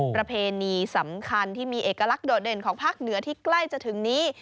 ประเพณีสำคัญที่มีเอกลักษณ์โดดเด่นของภาคเหนือที่ใกล้จะถึงนี้